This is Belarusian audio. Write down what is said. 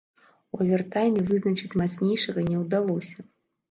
У авертайме вызначыць мацнейшага не ўдалося.